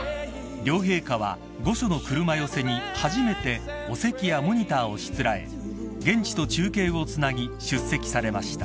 ［両陛下は御所の車寄せに初めてお席やモニターをしつらえ現地と中継をつなぎ出席されました］